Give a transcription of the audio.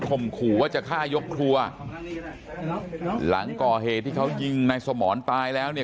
มขู่ว่าจะฆ่ายกครัวหลังก่อเหตุที่เขายิงนายสมรตายแล้วเนี่ย